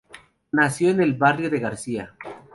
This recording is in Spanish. Nació en el barrio de Gracia.